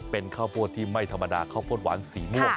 เป็นข้าวโพดที่ไม่ธรรมดาข้าวโพดหวานสีม่วง